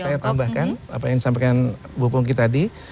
saya tambahkan apa yang disampaikan bu pungki tadi